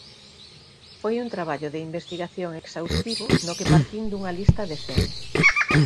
Foi un traballo de investigación exhaustivo no que partín dunha lista de cen.